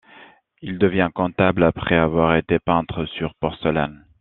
Il devient comptable après avoir été peintre sur porcelaine.